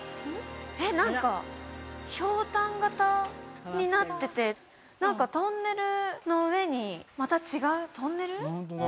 えっ何かひょうたん形になってて何かトンネルの上にまた違うトンネル？